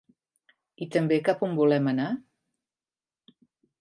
I també cap on volem anar?